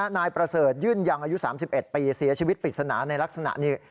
นายประเสริฐยื่นยังอายุ๓๑ปีเสียชีวิตปริศนาในลักษณะนี้